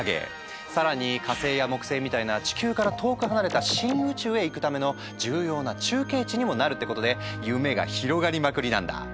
更に火星や木星みたいな地球から遠く離れた深宇宙へ行くための重要な中継地にもなるってことで夢が広がりまくりなんだ。